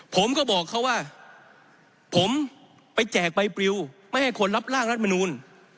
ผมก็บอกเขาว่าผมไปแจกใบปริวไม่ให้คนรับร่างรัฐมนูล